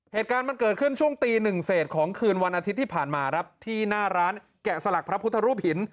เหตุการณ์มันเกิดขึ้นช่วงตีหนึ่งเศษของคืนวันอาทิตย์ที่ผ่านมาครับที่หน้าร้านแกะสลักพระพุทธรูปหิน